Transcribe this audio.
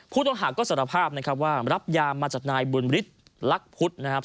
ผู้ต้องหาก็สารภาพนะครับว่ารับยามาจากนายบุญฤทธิ์ลักษณ์พุทธนะครับ